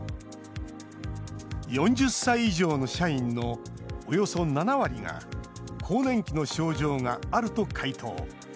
４０歳以上の社員のおよそ７割が更年期の症状があると回答。